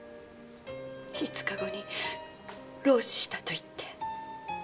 五日後に牢死したと言って。